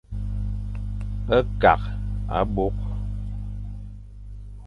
Kakh abôkh.